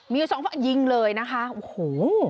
มีอยู่สองฝั่งยิงเลยนะคะโอ้โห